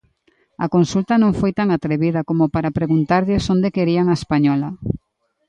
A consulta non foi tan 'atrevida' como para preguntarlles onde querían a española.